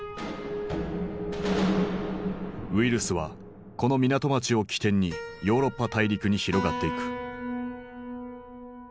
ウイルスはこの港町を起点にヨーロッパ大陸に広がっていく。